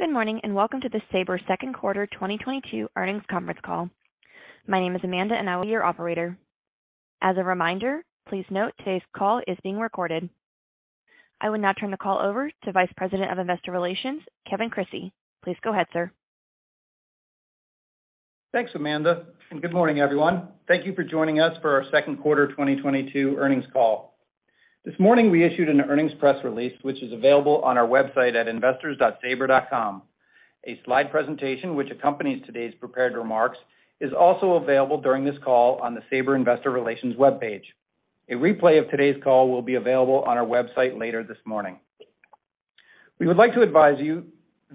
Good morning, and welcome to the Sabre second quarter 2022 earnings conference call. My name is Amanda, and I will be your operator. As a reminder, please note today's call is being recorded. I would now turn the call over to Vice President of Investor Relations, Kevin Crissey. Please go ahead, sir. Thanks, Amanda, and good morning, everyone. Thank you for joining us for our second quarter 2022 earnings call. This morning we issued an earnings press release, which is available on our website at investors.sabre.com. A slide presentation which accompanies today's prepared remarks is also available during this call on the Sabre Investor Relations webpage. A replay of today's call will be available on our website later this morning. We would like to advise you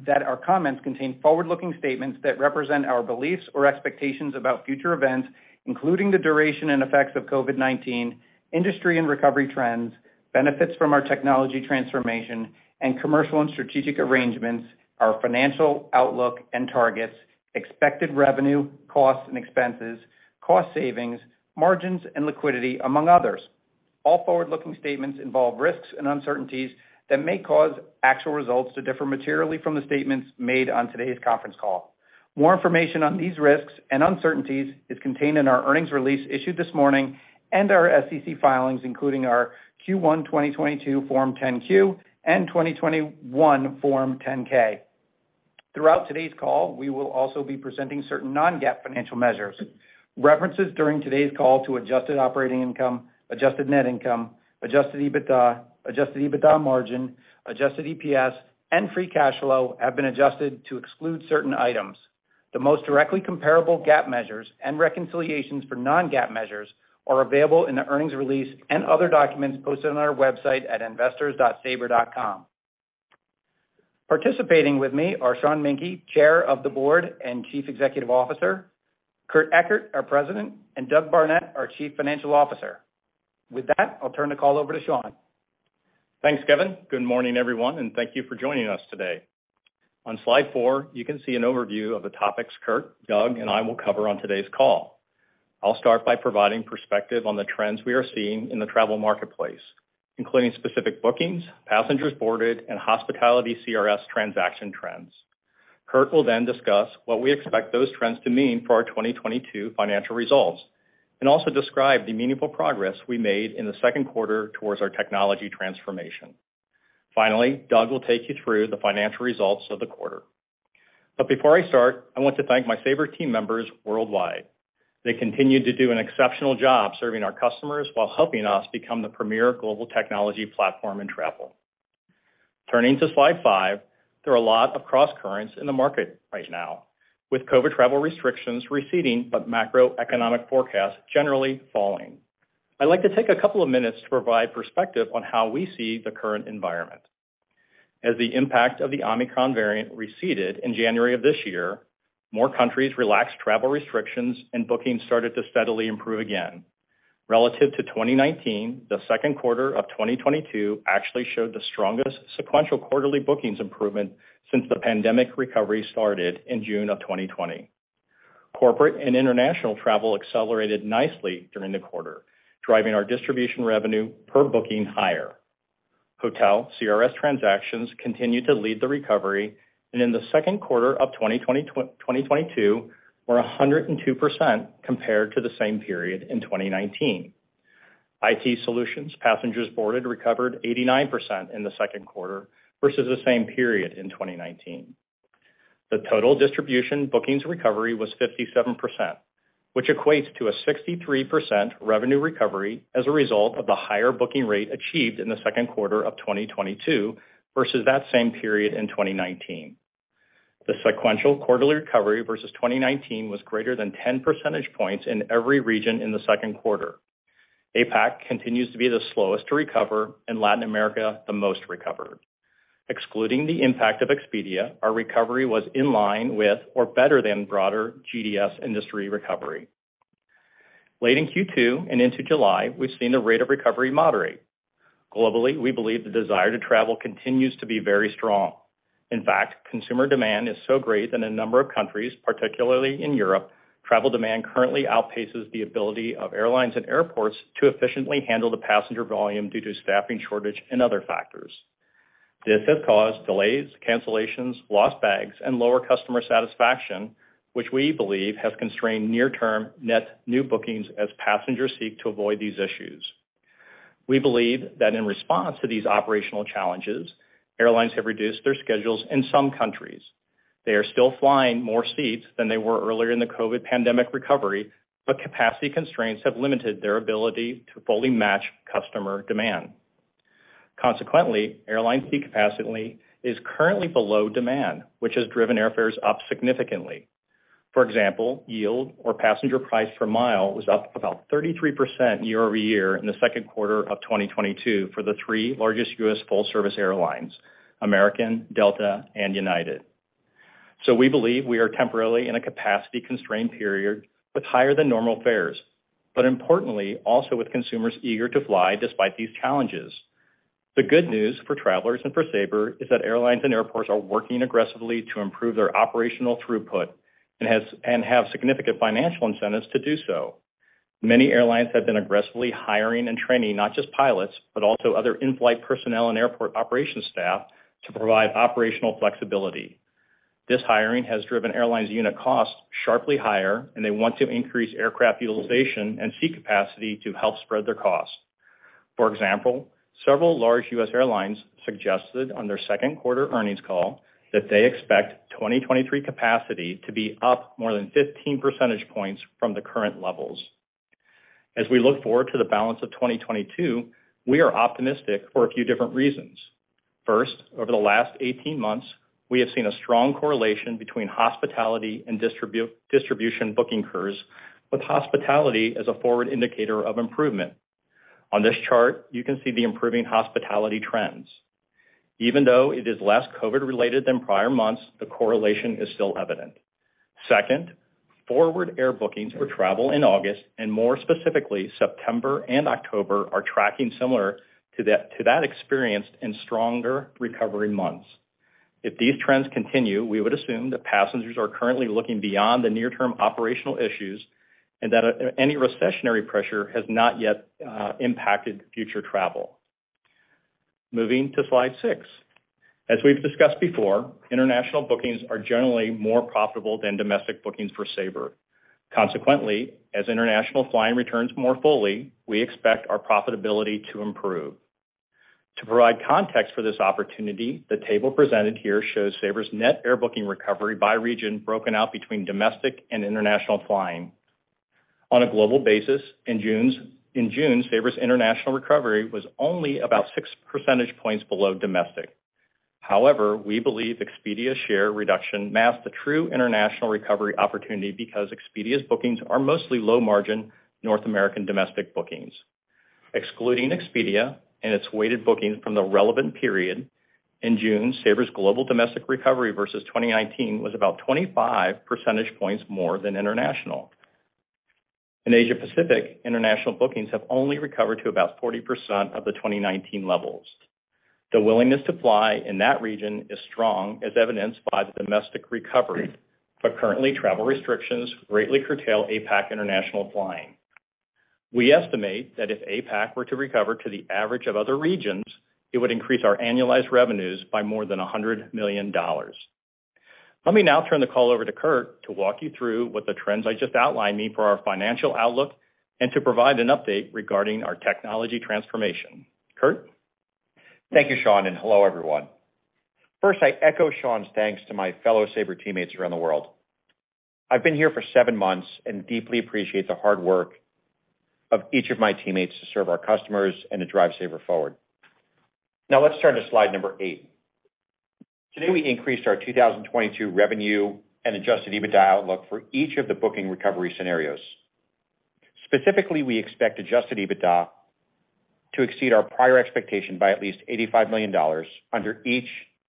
that our comments contain forward-looking statements that represent our beliefs or expectations about future events, including the duration and effects of COVID-19, industry and recovery trends, benefits from our technology transformation and commercial and strategic arrangements, our financial outlook and targets, expected revenue, costs and expenses, cost savings, margins and liquidity, among others. All forward-looking statements involve risks and uncertainties that may cause actual results to differ materially from the statements made on today's conference call. More information on these risks and uncertainties is contained in our earnings release issued this morning and our SEC filings, including our Q1 2022 Form 10-Q and 2021 Form 10-K. Throughout today's call, we will also be presenting certain non-GAAP financial measures. References during today's call to adjusted operating income, adjusted net income, adjusted EBITDA, adjusted EBITDA margin, adjusted EPS and free cash flow have been adjusted to exclude certain items. The most directly comparable GAAP measures and reconciliations for non-GAAP measures are available in the earnings release and other documents posted on our website at investors.sabre.com. Participating with me are Sean Menke, Chair of the Board and Chief Executive Officer, Kurt Ekert, our President, and Doug Barnett, our Chief Financial Officer. With that, I'll turn the call over to Sean. Thanks, Kevin. Good morning, everyone, and thank you for joining us today. On slide 4, you can see an overview of the topics Kurt, Doug, and I will cover on today's call. I'll start by providing perspective on the trends we are seeing in the travel marketplace, including specific bookings, passengers boarded and hospitality CRS transaction trends. Kurt will then discuss what we expect those trends to mean for our 2022 financial results and also describe the meaningful progress we made in the second quarter towards our technology transformation. Finally, Doug will take you through the financial results of the quarter. Before I start, I want to thank my Sabre team members worldwide. They continue to do an exceptional job serving our customers while helping us become the premier global technology platform in travel. Turning to slide 5, there are a lot of crosscurrents in the market right now, with COVID travel restrictions receding but macroeconomic forecasts generally falling. I'd like to take a couple of minutes to provide perspective on how we see the current environment. As the impact of the Omicron variant receded in January of this year, more countries relaxed travel restrictions and bookings started to steadily improve again. Relative to 2019, the second quarter of 2022 actually showed the strongest sequential quarterly bookings improvement since the pandemic recovery started in June of 2020. Corporate and international travel accelerated nicely during the quarter, driving our distribution revenue per booking higher. Hotel CRS transactions continued to lead the recovery, and in the second quarter of 2022, were 102% compared to the same period in 2019. IT solutions passengers boarded recovered 89% in the second quarter versus the same period in 2019. The total distribution bookings recovery was 57%, which equates to a 63% revenue recovery as a result of the higher booking rate achieved in the second quarter of 2022 versus that same period in 2019. The sequential quarterly recovery versus 2019 was greater than 10 percentage points in every region in the second quarter. APAC continues to be the slowest to recover and Latin America the most recovered. Excluding the impact of Expedia, our recovery was in line with or better than broader GDS industry recovery. Late in Q2 and into July, we've seen the rate of recovery moderate. Globally, we believe the desire to travel continues to be very strong. In fact, consumer demand is so great that a number of countries, particularly in Europe, travel demand currently outpaces the ability of airlines and airports to efficiently handle the passenger volume due to staffing shortage and other factors. This has caused delays, cancellations, lost bags, and lower customer satisfaction, which we believe has constrained near term net new bookings as passengers seek to avoid these issues. We believe that in response to these operational challenges, airlines have reduced their schedules in some countries. They are still flying more seats than they were earlier in the COVID pandemic recovery, but capacity constraints have limited their ability to fully match customer demand. Consequently, airline seat capacity is currently below demand, which has driven airfares up significantly. For example, yield or passenger price per mile was up about 33% year-over-year in the second quarter of 2022 for the three largest U.S. full service airlines, American, Delta, and United. We believe we are temporarily in a capacity constrained period with higher than normal fares, but importantly also with consumers eager to fly despite these challenges. The good news for travelers and for Sabre is that airlines and airports are working aggressively to improve their operational throughput and have significant financial incentives to do so. Many airlines have been aggressively hiring and training not just pilots, but also other in-flight personnel and airport operation staff to provide operational flexibility. This hiring has driven airlines unit costs sharply higher, and they want to increase aircraft utilization and seat capacity to help spread their costs. For example, several large U.S. airlines suggested on their second quarter earnings call that they expect 2023 capacity to be up more than 15 percentage points from the current levels. As we look forward to the balance of 2022, we are optimistic for a few different reasons. First, over the last 18 months, we have seen a strong correlation between hospitality and distribution booking curves, with hospitality as a forward indicator of improvement. On this chart, you can see the improving hospitality trends. Even though it is less COVID-related than prior months, the correlation is still evident. Second, forward air bookings for travel in August and more specifically September and October are tracking similar to that experienced in stronger recovery months. If these trends continue, we would assume that passengers are currently looking beyond the near term operational issues and that any recessionary pressure has not yet impacted future travel. Moving to slide 6. As we've discussed before, international bookings are generally more profitable than domestic bookings for Sabre. Consequently, as international flying returns more fully, we expect our profitability to improve. To provide context for this opportunity, the table presented here shows Sabre's net air booking recovery by region broken out between domestic and international flying. On a global basis in June, Sabre's international recovery was only about 6 percentage points below domestic. However, we believe Expedia share reduction masks the true international recovery opportunity because Expedia's bookings are mostly low margin North American domestic bookings. Excluding Expedia and its weighted bookings from the relevant period, in June, Sabre's global domestic recovery versus 2019 was about 25 percentage points more than international. In Asia Pacific, international bookings have only recovered to about 40% of the 2019 levels. The willingness to fly in that region is strong, as evidenced by the domestic recovery. Currently, travel restrictions greatly curtail APAC international flying. We estimate that if APAC were to recover to the average of other regions, it would increase our annualized revenues by more than $100 million. Let me now turn the call over to Kurt to walk you through what the trends I just outlined mean for our financial outlook and to provide an update regarding our technology transformation. Kurt. Thank you, Sean, and hello, everyone. First, I echo Sean's thanks to my fellow Sabre teammates around the world. I've been here for 7 months and deeply appreciate the hard work of each of my teammates to serve our customers and to drive Sabre forward. Now let's turn to slide number 8. Today, we increased our 2022 revenue and adjusted EBITDA outlook for each of the booking recovery scenarios. Specifically, we expect adjusted EBITDA to exceed our prior expectation by at least $85 million under each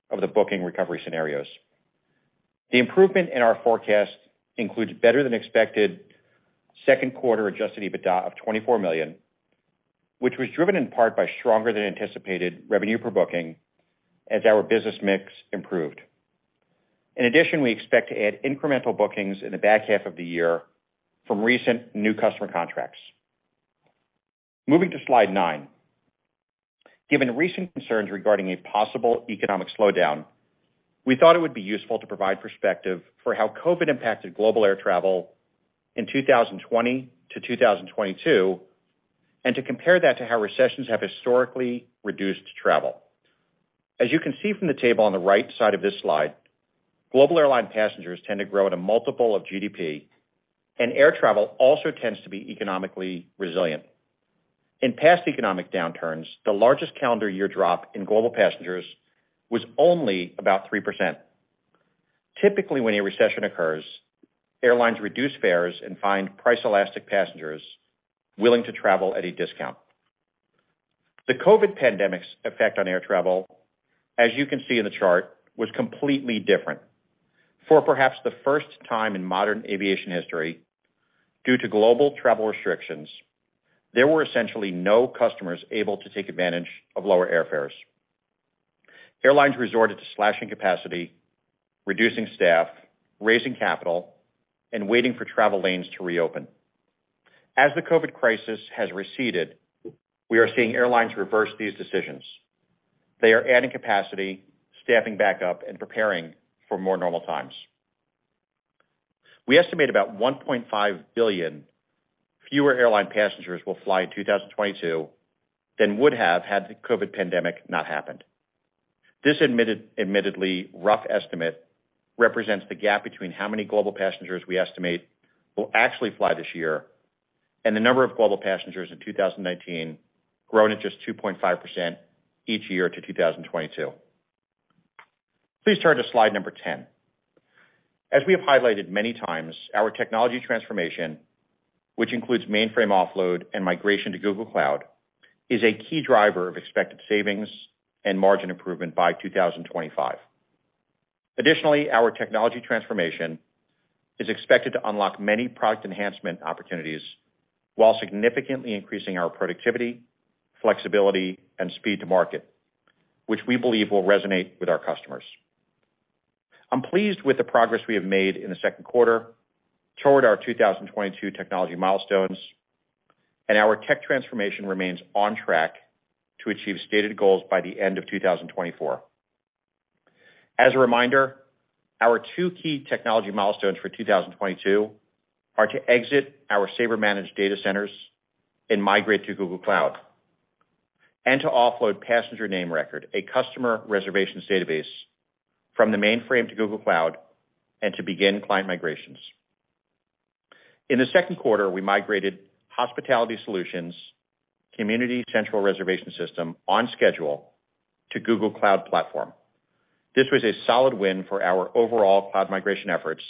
of the booking recovery scenarios. The improvement in our forecast includes better than expected second quarter adjusted EBITDA of $24 million, which was driven in part by stronger than anticipated revenue per booking as our business mix improved. In addition, we expect to add incremental bookings in the back half of the year from recent new customer contracts. Moving to slide 9. Given recent concerns regarding a possible economic slowdown, we thought it would be useful to provide perspective for how COVID impacted global air travel in 2020 to 2022, and to compare that to how recessions have historically reduced travel. As you can see from the table on the right side of this slide, global airline passengers tend to grow at a multiple of GDP, and air travel also tends to be economically resilient. In past economic downturns, the largest calendar year drop in global passengers was only about 3%. Typically, when a recession occurs, airlines reduce fares and find price elastic passengers willing to travel at a discount. The COVID pandemic's effect on air travel, as you can see in the chart, was completely different. For perhaps the first time in modern aviation history, due to global travel restrictions, there were essentially no customers able to take advantage of lower airfares. Airlines resorted to slashing capacity, reducing staff, raising capital, and waiting for travel lanes to reopen. As the COVID crisis has receded, we are seeing airlines reverse these decisions. They are adding capacity, staffing back up, and preparing for more normal times. We estimate about 1.5 billion fewer airline passengers will fly in 2022 than would have had the COVID pandemic not happened. This admittedly rough estimate represents the gap between how many global passengers we estimate will actually fly this year and the number of global passengers in 2019, growing at just 2.5% each year to 2022. Please turn to slide number 10. As we have highlighted many times, our technology transformation, which includes mainframe offload and migration to Google Cloud, is a key driver of expected savings and margin improvement by 2025. Additionally, our technology transformation is expected to unlock many product enhancement opportunities while significantly increasing our productivity, flexibility, and speed to market, which we believe will resonate with our customers. I'm pleased with the progress we have made in the second quarter toward our 2022 technology milestones, and our tech transformation remains on track to achieve stated goals by the end of 2024. As a reminder, our 2 key technology milestones for 2022 are to exit our Sabre managed data centers and migrate to Google Cloud, and to offload Passenger Name Record, a customer reservations database, from the mainframe to Google Cloud and to begin client migrations. In the second quarter, we migrated Hospitality Solutions' SynXis Central Reservation System on schedule to Google Cloud Platform. This was a solid win for our overall cloud migration efforts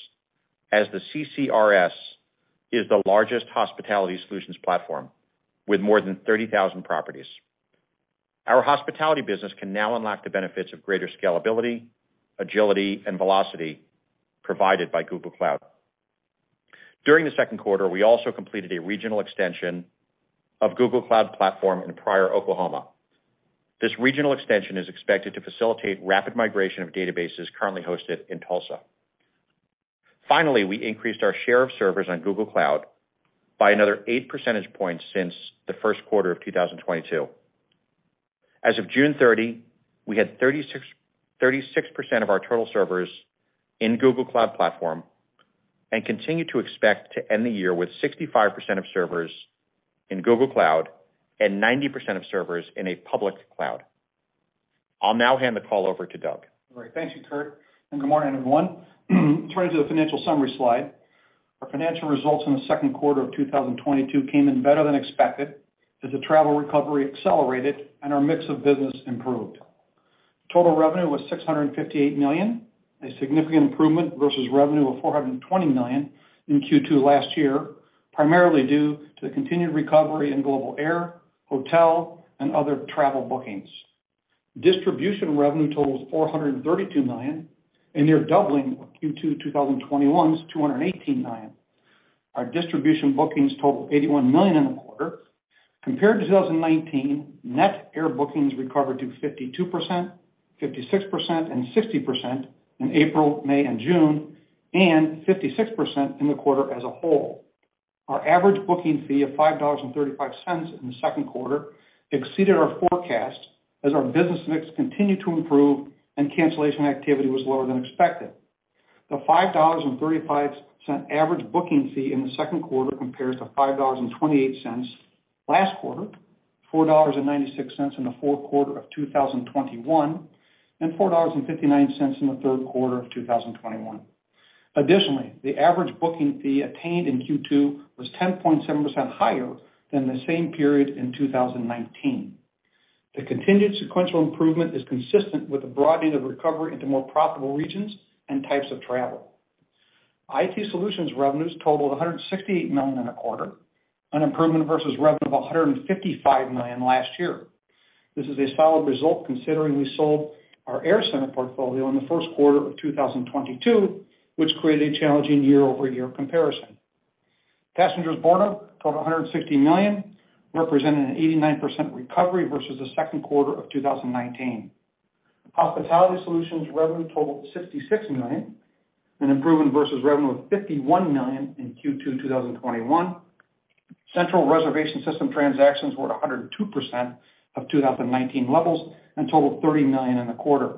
as the CCRS is the largest hospitality solutions platform with more than 30,000 properties. Our hospitality business can now unlock the benefits of greater scalability, agility, and velocity provided by Google Cloud. During the second quarter, we also completed a regional extension of Google Cloud Platform in Pryor, Oklahoma. This regional extension is expected to facilitate rapid migration of databases currently hosted in Tulsa. Finally, we increased our share of servers on Google Cloud by another eight percentage points since the first quarter of 2022. As of June 30, we had 36% of our total servers in Google Cloud Platform and continue to expect to end the year with 65% of servers in Google Cloud and 90% of servers in a public cloud. I'll now hand the call over to Doug. All right. Thank you, Kurt, and good morning, everyone. Turning to the financial summary slide, our financial results in the second quarter of 2022 came in better than expected as the travel recovery accelerated and our mix of business improved. Total revenue was $658 million, a significant improvement versus revenue of $420 million in Q2 last year, primarily due to the continued recovery in global air, hotel, and other travel bookings. Distribution revenue totals $432 million, and they're doubling Q2 2021's $218 million. Our distribution bookings totaled $81 million in the quarter. Compared to 2019, net air bookings recovered to 52%, 56%, and 60% in April, May, and June, and 56% in the quarter as a whole. Our average booking fee of $5.35 in the second quarter exceeded our forecast as our business mix continued to improve and cancellation activity was lower than expected. The $5.35 average booking fee in the second quarter compares to $5.28 last quarter, $4.96 in the fourth quarter of 2021, and $4.59 in the third quarter of 2021. Additionally, the average booking fee attained in Q2 was 10.7% higher than the same period in 2019. The continued sequential improvement is consistent with the broadening of recovery into more profitable regions and types of travel. IT solutions revenues totaled $168 million in a quarter, an improvement versus revenue of $155 million last year. This is a solid result considering we sold our AirCentre portfolio in the first quarter of 2022, which created a challenging year-over-year comparison. Passenger boardings totaled 160 million, representing an 89% recovery versus the second quarter of 2019. Hospitality Solutions revenue totaled $66 million, an improvement versus revenue of $51 million in Q2 2021. Central Reservation System transactions were 102% of 2019 levels and totaled 30 million in the quarter.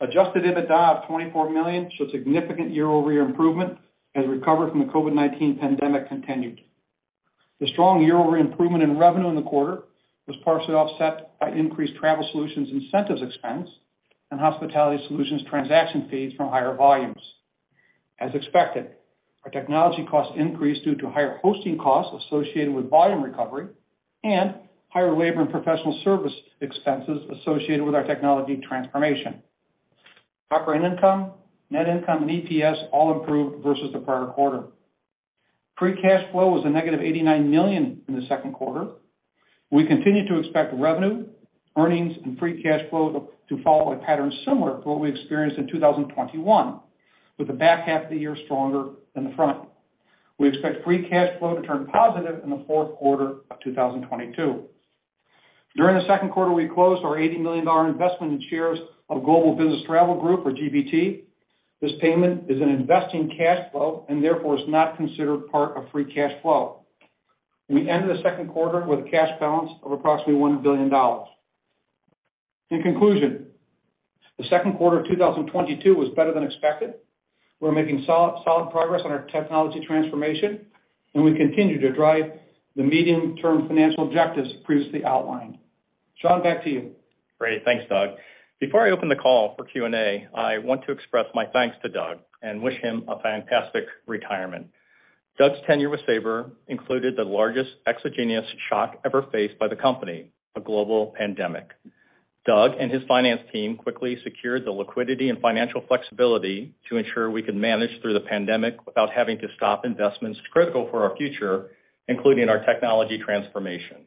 Adjusted EBITDA of $24 million show significant year-over-year improvement as recovery from the COVID-19 pandemic continued. The strong year-over-year improvement in revenue in the quarter was partially offset by increased travel solutions incentives expense and Hospitality Solutions transaction fees from higher volumes. As expected, our technology costs increased due to higher hosting costs associated with volume recovery and higher labor and professional service expenses associated with our technology transformation. Operating income, net income, and EPS all improved versus the prior quarter. Free cash flow was negative $89 million in the second quarter. We continue to expect revenue, earnings, and free cash flow to follow a pattern similar to what we experienced in 2021, with the back half of the year stronger than the front. We expect free cash flow to turn positive in the fourth quarter of 2022. During the second quarter, we closed our $80 million investment in shares of Global Business Travel Group or GBT. This payment is an investing cash flow and therefore is not considered part of free cash flow. We ended the second quarter with a cash balance of approximately $1 billion. In conclusion, the second quarter of 2022 was better than expected. We're making solid progress on our technology transformation, and we continue to drive the medium-term financial objectives previously outlined. Sean, back to you. Great. Thanks, Doug. Before I open the call for Q&A, I want to express my thanks to Doug and wish him a fantastic retirement. Doug's tenure with Sabre included the largest exogenous shock ever faced by the company, a global pandemic. Doug and his finance team quickly secured the liquidity and financial flexibility to ensure we could manage through the pandemic without having to stop investments critical for our future, including our technology transformation.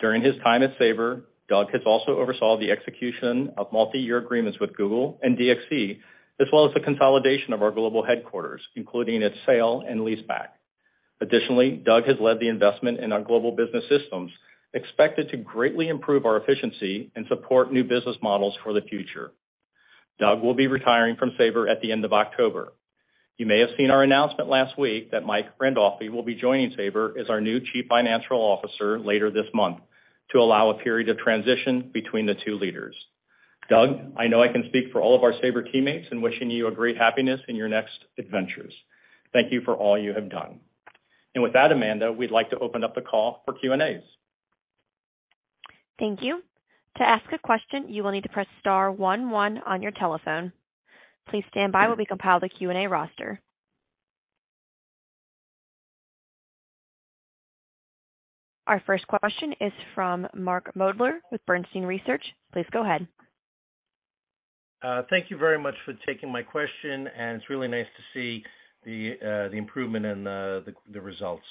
During his time at Sabre, Doug has also oversaw the execution of multi-year agreements with Google and DXC, as well as the consolidation of our global headquarters, including its sale and leaseback. Additionally, Doug has led the investment in our global business systems, expected to greatly improve our efficiency and support new business models for the future. Doug will be retiring from Sabre at the end of October. You may have seen our announcement last week that Mike Randolfi will be joining Sabre as our new chief financial officer later this month to allow a period of transition between the two leaders. Doug, I know I can speak for all of our Sabre teammates in wishing you a great happiness in your next adventures. Thank you for all you have done. With that, Amanda, we'd like to open up the call for Q&As. Thank you. To ask a question, you will need to press star one one on your telephone. Please stand by while we compile the Q&A roster. Our first question is from Mark Moerdler with Bernstein Research. Please go ahead. Thank you very much for taking my question, and it's really nice to see the improvement in the results.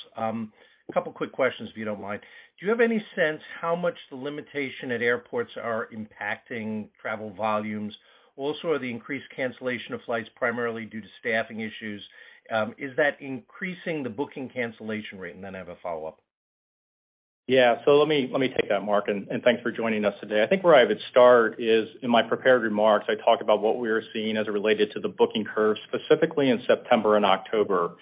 A couple quick questions, if you don't mind. Do you have any sense how much the limitations at airports are impacting travel volumes? Also, are the increased cancellations of flights primarily due to staffing issues? Is that increasing the booking cancellation rate? Then I have a follow-up. Yeah. Let me take that, Mark, and thanks for joining us today. I think where I would start is in my prepared remarks. I talked about what we are seeing as it related to the booking curve, specifically in September and October.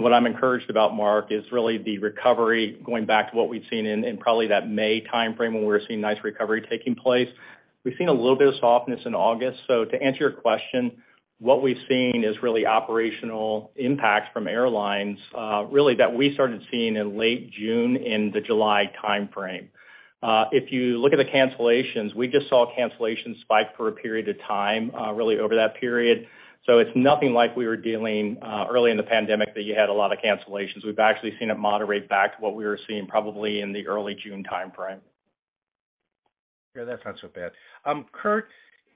What I'm encouraged about, Mark, is really the recovery going back to what we've seen in probably that May timeframe when we were seeing nice recovery taking place. We've seen a little bit of softness in August. To answer your question, what we've seen is really operational impacts from airlines, really that we started seeing in late June in the July timeframe. If you look at the cancellations, we just saw cancellations spike for a period of time, really over that period. It's nothing like we were dealing early in the pandemic that you had a lot of cancellations. We've actually seen it moderate back to what we were seeing probably in the early June timeframe. Yeah, that's not so bad. Kurt,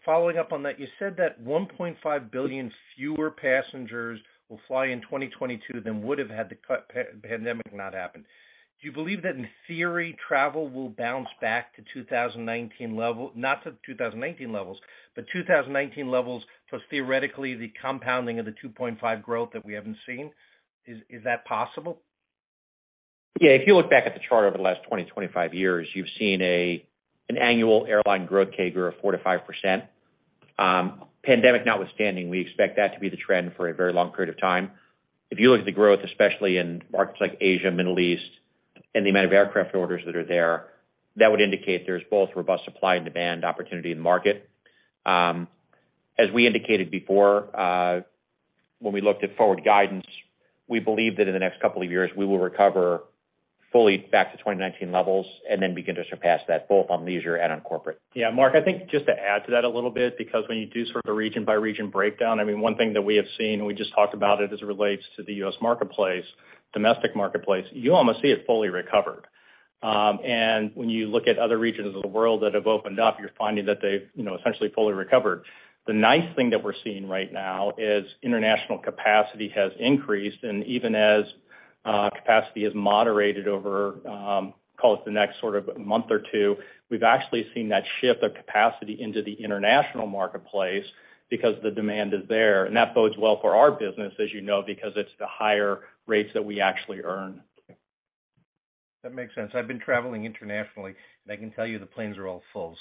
following up on that, you said that 1.5 billion fewer passengers will fly in 2022 than would have had the COVID-19 pandemic not happen. Do you believe that in theory, travel will bounce back to 2019 levels plus theoretically the compounding of the 2.5% growth that we haven't seen, is that possible? Yeah. If you look back at the chart over the last 20-25 years, you've seen an annual airline growth CAGR of 4%-5%. Pandemic notwithstanding, we expect that to be the trend for a very long period of time. If you look at the growth, especially in markets like Asia, Middle East, and the amount of aircraft orders that are there, that would indicate there's both robust supply and demand opportunity in the market. As we indicated before, when we looked at forward guidance, we believe that in the next couple of years, we will recover fully back to 2019 levels and then begin to surpass that, both on leisure and on corporate. Yeah. Mark, I think just to add to that a little bit, because when you do sort of a region-by-region breakdown, I mean, one thing that we have seen, and we just talked about it as it relates to the U.S. marketplace, domestic marketplace, you almost see it fully recovered. And when you look at other regions of the world that have opened up, you're finding that they've, you know, essentially fully recovered. The nice thing that we're seeing right now is international capacity has increased. And even as capacity has moderated over call it the next sort of month or two, we've actually seen that shift of capacity into the international marketplace because the demand is there. And that bodes well for our business, as you know, because it's the higher rates that we actually earn. That makes sense. I've been traveling internationally, and I can tell you the planes are all full.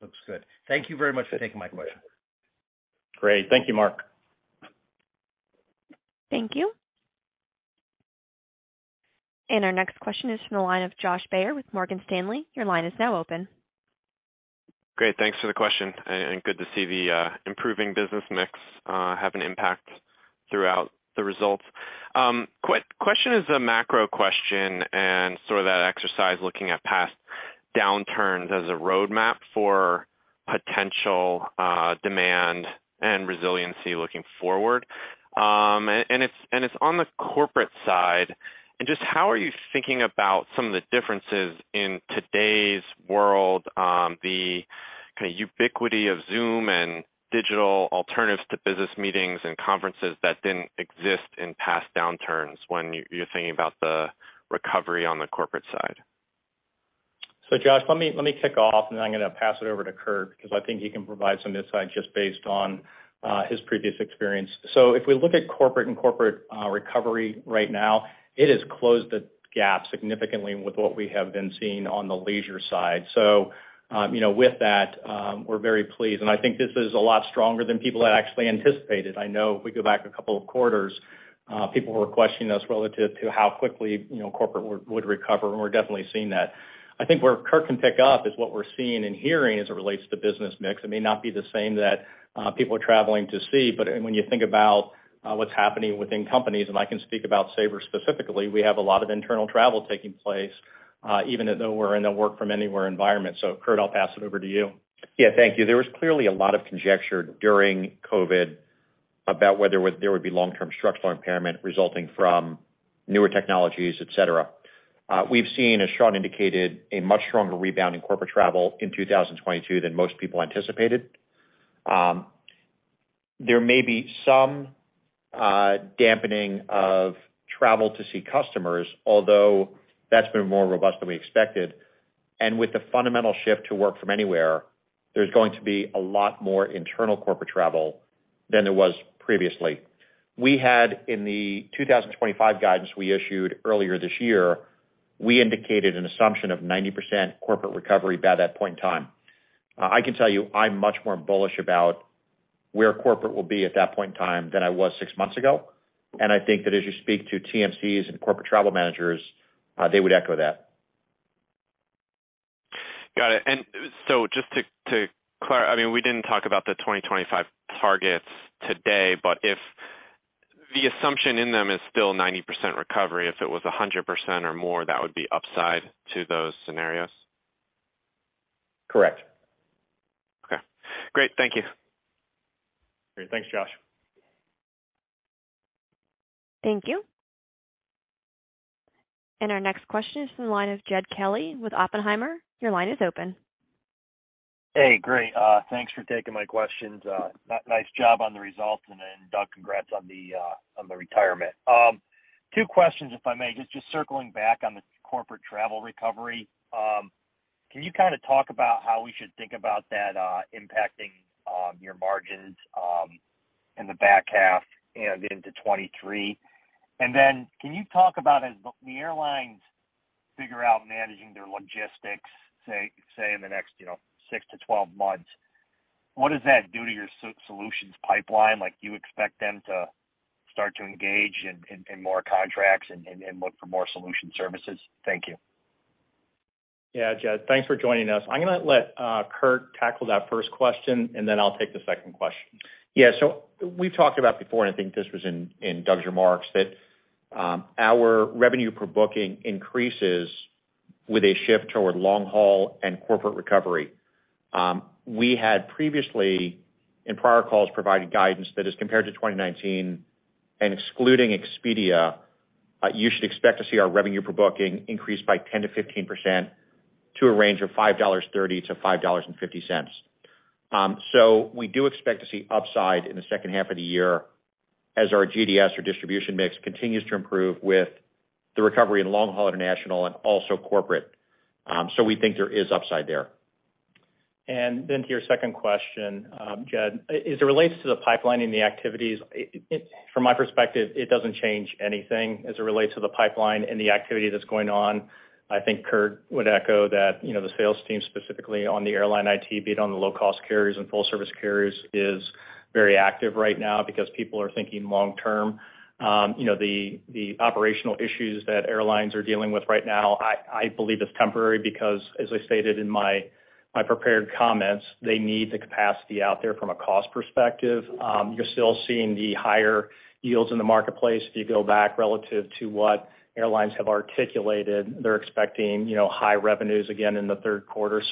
Looks good. Thank you very much for taking my question. Great. Thank you, Mark. Thank you. Our next question is from the line of Josh Baer with Morgan Stanley. Your line is now open. Great. Thanks for the question, and good to see the improving business mix have an impact throughout the results. Question is a macro question and sort of that exercise looking at past downturns as a roadmap for potential demand and resiliency looking forward. It's on the corporate side. Just how are you thinking about some of the differences in today's world, the kinda ubiquity of Zoom and digital alternatives to business meetings and conferences that didn't exist in past downturns when you're thinking about the recovery on the corporate side? Josh, let me kick off, and then I'm gonna pass it over to Kurt because I think he can provide some insight just based on his previous experience. If we look at corporate recovery right now, it has closed the gap significantly with what we have been seeing on the leisure side. You know, with that, we're very pleased. I think this is a lot stronger than people had actually anticipated. I know if we go back a couple of quarters, people were questioning us relative to how quickly, you know, corporate would recover, and we're definitely seeing that. I think where Kurt can pick up is what we're seeing and hearing as it relates to business mix. It may not be the same that people are traveling to see. When you think about what's happening within companies, and I can speak about Sabre specifically, we have a lot of internal travel taking place, even though we're in a work from anywhere environment. Kurt, I'll pass it over to you. Yeah. Thank you. There was clearly a lot of conjecture during COVID about whether there would be long-term structural impairment resulting from newer technologies, et cetera. We've seen, as Sean indicated, a much stronger rebound in corporate travel in 2022 than most people anticipated. There may be some dampening of travel to see customers, although that's been more robust than we expected. With the fundamental shift to work from anywhere, there's going to be a lot more internal corporate travel than there was previously. We had in the 2025 guidance we issued earlier this year, we indicated an assumption of 90% corporate recovery by that point in time. I can tell you I'm much more bullish about where corporate will be at that point in time than I was six months ago. I think that as you speak to TMCs and corporate travel managers, they would echo that. Got it. I mean, we didn't talk about the 2025 targets today, but if the assumption in them is still 90% recovery, if it was 100% or more, that would be upside to those scenarios? Correct. Okay. Great. Thank you. Great. Thanks, Josh. Thank you. Our next question is from the line of Jed Kelly with Oppenheimer. Your line is open. Hey, great. Thanks for taking my questions. Nice job on the results. Doug, congrats on the retirement. Two questions if I may. Just circling back on the corporate travel recovery. Can you kinda talk about how we should think about that impacting your margins in the back half and into 2023? Can you talk about as the airlines figure out managing their logistics, say in the next, you know, 6-12 months, what does that do to your solutions pipeline? Like, do you expect them to start to engage in more contracts and look for more solution services? Thank you. Yeah. Jed, thanks for joining us. I'm gonna let Kurt tackle that first question, and then I'll take the second question. Yeah. We've talked about before, and I think this was in Doug's remarks, that our revenue per booking increases with a shift toward long haul and corporate recovery. We had previously in prior calls provided guidance that as compared to 2019 and excluding Expedia, you should expect to see our revenue per booking increase by 10%-15% to a range of $5.30-$5.50. We do expect to see upside in the second half of the year as our GDS or distribution mix continues to improve with the recovery in long haul international and also corporate. We think there is upside there. To your second question, Jed, as it relates to the pipeline and the activities, it from my perspective, it doesn't change anything as it relates to the pipeline and the activity that's going on. I think Kurt would echo that, you know, the sales team, specifically on the airline IT, be it on the low cost carriers and full service carriers, is very active right now because people are thinking long term. You know, the operational issues that airlines are dealing with right now, I believe is temporary because as I stated in my prepared comments, they need the capacity out there from a cost perspective. You're still seeing the higher yields in the marketplace if you go back relative to what airlines have articulated. They're expecting, you know, high revenues again in the third quarter.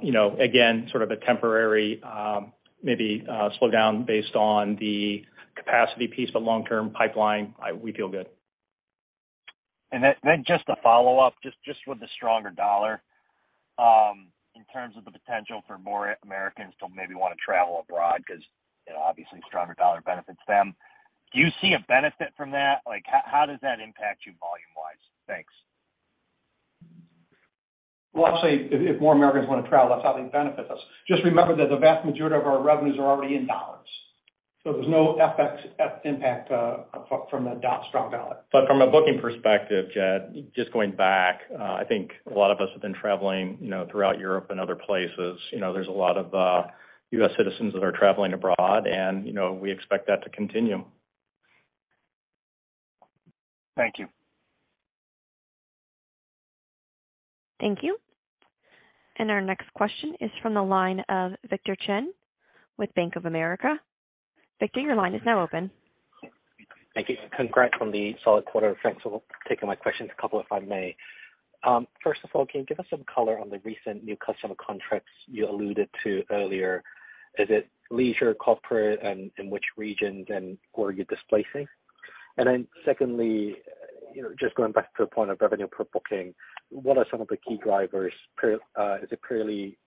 You know, again, sort of a temporary, maybe, slowdown based on the capacity piece of long-term pipeline. We feel good. Just a follow-up with the stronger US dollar, in terms of the potential for more Americans to maybe wanna travel abroad because, you know, obviously a stronger US dollar benefits them. Do you see a benefit from that? Like, how does that impact your volume-wise? Thanks. Well, actually, if more Americans wanna travel, that's how they benefit us. Just remember that the vast majority of our revenues are already in US dollars, so there's no FX impact from the strong US dollar. From a booking perspective, Jed, just going back, I think a lot of us have been traveling, you know, throughout Europe and other places. You know, there's a lot of U.S. citizens that are traveling abroad and, you know, we expect that to continue. Thank you. Thank you. Our next question is from the line of Victor Cheng with Bank of America. Victor, your line is now open. Thank you. Congrats on the solid quarter. Thanks for taking my questions. A couple, if I may. First of all, can you give us some color on the recent new customer contracts you alluded to earlier? Is it leisure, corporate, and in which regions and who are you displacing? Secondly, you know, just going back to the point of revenue per booking, what are some of the key drivers, is it purely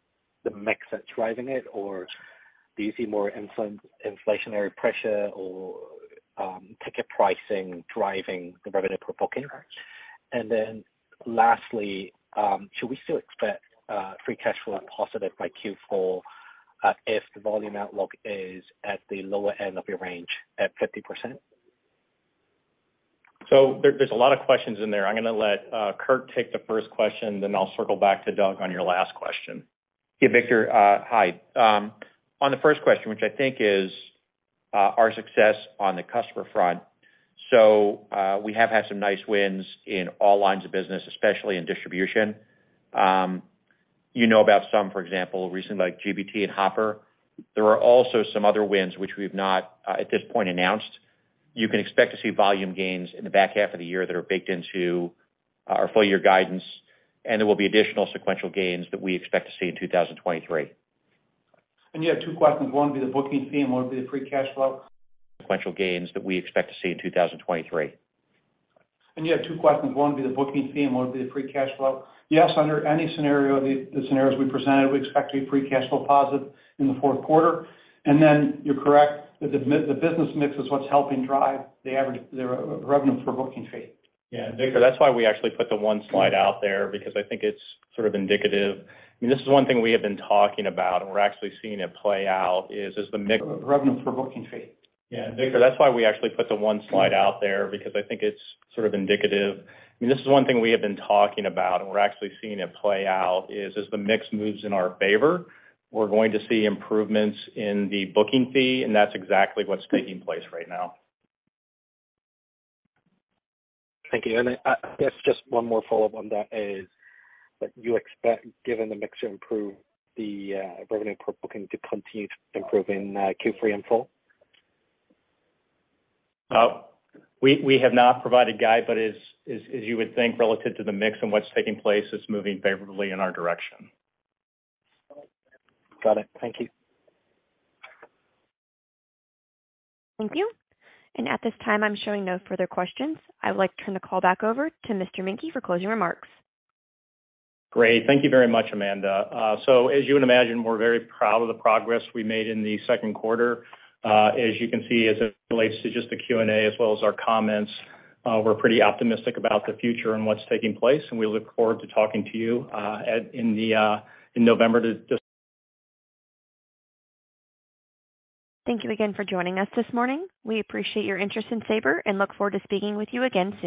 the mix that's driving it, or do you see more inflationary pressure or, ticket pricing driving the revenue per booking? Lastly, should we still expect, free cash flow positive by Q4, if the volume outlook is at the lower end of your range at 50%? There's a lot of questions in there. I'm gonna let Kurt take the first question, then I'll circle back to Doug on your last question. Yeah, Victor, hi. On the first question, which I think is our success on the customer front. We have had some nice wins in all lines of business, especially in distribution. You know about some, for example, recently, like GBT and Hopper. There are also some other wins which we've not at this point announced. You can expect to see volume gains in the back half of the year that are baked into our full year guidance, and there will be additional sequential gains that we expect to see in 2023. You had two questions. One would be the booking fee, and one would be the free cash flow. Sequential gains that we expect to see in 2023. You had two questions. One would be the booking fee, and one would be the free cash flow. Yes, under any scenario, the scenarios we presented, we expect to be free cash flow positive in the fourth quarter. Then you're correct, the business mix is what's helping drive the average revenue per booking fee. Yeah. Victor, that's why we actually put the one slide out there, because I think it's sort of indicative. I mean, this is one thing we have been talking about and we're actually seeing it play out, is as the mix- Revenue per booking fee. Yeah. Victor, that's why we actually put the one slide out there, because I think it's sort of indicative. I mean, this is one thing we have been talking about and we're actually seeing it play out, is as the mix moves in our favor, we're going to see improvements in the booking fee, and that's exactly what's taking place right now. Thank you. I guess just one more follow-up on that is, do you expect, given the mix to improve the revenue per booking to continue to improve in Q3 and Q4? We have not provided guidance, but as you would think relative to the mix and what's taking place, it's moving favorably in our direction. Got it. Thank you. Thank you. At this time, I'm showing no further questions. I would like to turn the call back over to Sean Menke for closing remarks. Great. Thank you very much, Amanda. As you would imagine, we're very proud of the progress we made in the second quarter. As you can see, as it relates to just the Q&A as well as our comments, we're pretty optimistic about the future and what's taking place, and we look forward to talking to you in November. Thank you again for joining us this morning. We appreciate your interest in Sabre and look forward to speaking with you again soon.